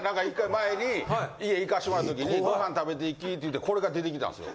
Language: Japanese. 前に家行かしてもらったときに「ご飯食べていき」って言ってこれが出てきたんっすよ。